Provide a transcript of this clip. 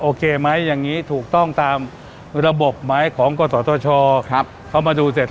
โอเคไหมอย่างนี้ถูกต้องตามระบบไหมของกศธชเข้ามาดูเสร็จ